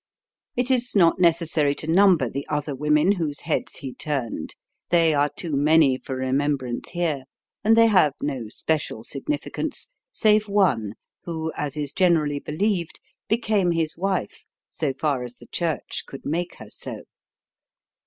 It is not necessary to number the other women whose heads he turned. They are too many for remembrance here, and they have no special significance, save one who, as is generally believed, became his wife so far as the church could make her so.